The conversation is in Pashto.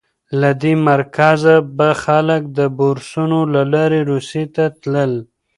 له دې مرکزه به خلک د بورسونو له لارې روسیې ته تلل.